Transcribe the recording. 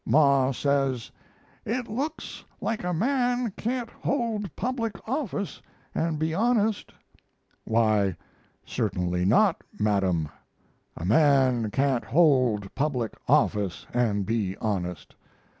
Ma says: "It looks like a man can't hold public office and be honest." Why, certainly not, Madam. A man can't hold public office and be honest.